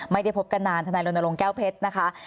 ไม่ได้พบกันนานท่านลดลงแก้วเพชรนะคะ